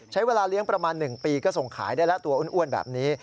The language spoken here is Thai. ใช้เวลาเลี้ยงประมาณ๑ปีก็ส่งขายได้แล้วตัวอ้วนแบบนี้